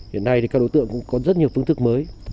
hiện nay thì các đối tượng cũng có rất nhiều phương thức mới